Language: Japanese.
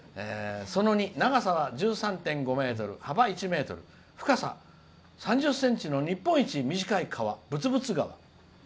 「長さは１３．５ｋｍ幅１ｍ、深さ３０ｃｍの日本一短い川、ぶつぶつ川。